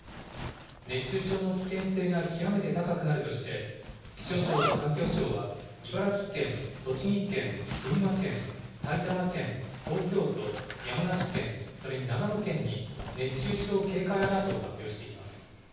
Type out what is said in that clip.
熱中症の危険性が極めて高くなるとして、気象庁と環境省は、茨城県、栃木県、群馬県、埼玉県、東京都、山梨県、それに長野県に、熱中症警戒アラートを発表しています。